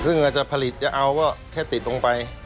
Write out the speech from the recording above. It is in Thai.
ซึ่งอาจจะผลิตจะเอาก็แค่ติดลงไป